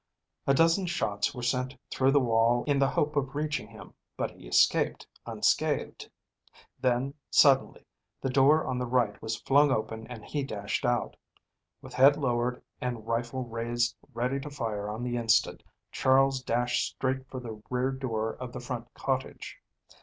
A dozen shots were sent through the wall in the hope of reaching him, but he escaped unscathed. Then suddenly the door on the right was flung open and he dashed out. With head lowered and rifle raised ready to fire on the instant, Charles dashed straight for the rear door of the front cottage.